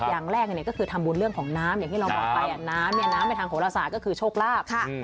อย่างแรกก็คือทำบุญเรื่องของน้ำอย่างที่เราบอกไปน้ำเนี่ยน้ำในทางโหลศาสตร์ก็คือโชคลาภ